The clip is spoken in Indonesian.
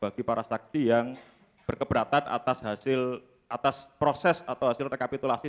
bagi para saksi yang berkeberatan atas hasil atas proses atau hasil rekapitulasi